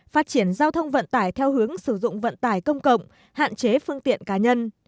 phát triển giao thông vận tải theo hướng sử dụng vận tải công cộng hạn chế phương tiện cá nhân